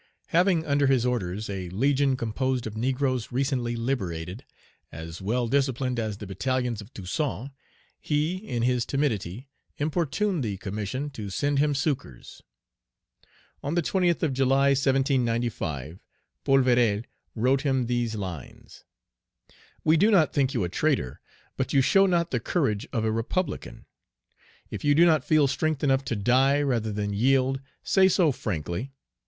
Having under his orders a legion composed of negroes recently liberated, as well disciplined as the battalions of Toussaint, he, in his timidity, importuned the Commission to send him succors. On the 20th of July, 1795, Polverel wrote him these lines: "We do not think you a traitor, but you show not the courage of a republican. If you do not feel strength enough to die rather than yield, say so frankly.